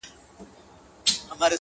اوس به څوك رنګونه تش كي په قلم كي!!